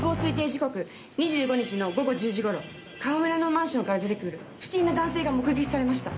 時刻２５日の午後１０時頃川村のマンションから出てくる不審な男性が目撃されました。